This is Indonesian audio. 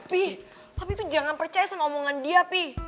pih tapi itu jangan percaya sama omongan dia pi